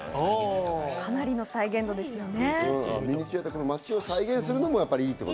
かなりの再現度ですね。